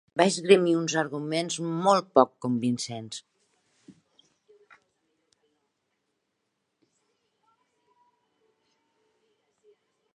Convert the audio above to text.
Va esgrimir uns arguments molt poc convincents.